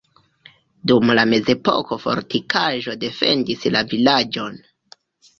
Dum la mezepoko fortikaĵo defendis la vilaĝon.